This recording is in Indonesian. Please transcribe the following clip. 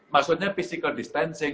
maksudnya physical distancing